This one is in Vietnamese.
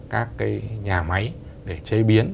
các cái nhà máy để chế biến